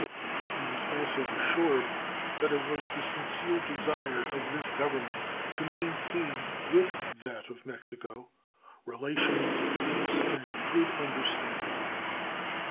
He was also assured that it was the sincere desire of this Government to maintain with that of Mexico relations of peace and good understanding.